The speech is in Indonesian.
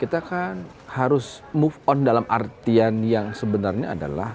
kita kan harus move on dalam artian yang sebenarnya adalah